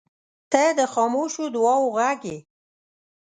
• ته د خاموشو دعاوو غږ یې.